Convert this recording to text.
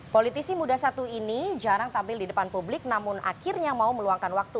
politisi muda satu ini jarang tampil di depan publik namun akhirnya mau meluangkan waktu